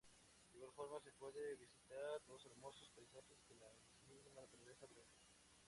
De igual forma se pueden visitar los hermosos paisajes que la misma naturaleza brinda.